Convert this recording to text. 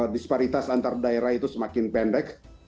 disparitas antar daerah itu semakin pendek